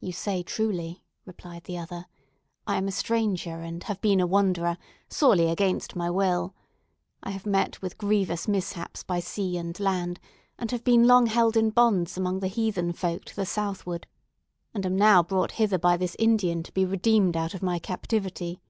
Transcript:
"You say truly," replied the other; "I am a stranger, and have been a wanderer, sorely against my will. I have met with grievous mishaps by sea and land, and have been long held in bonds among the heathen folk to the southward; and am now brought hither by this Indian to be redeemed out of my captivity.